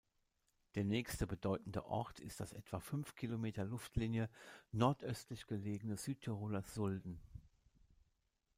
Der nächste bedeutende Ort ist das etwa fünf Kilometer Luftlinie nordöstlich gelegene Südtiroler Sulden.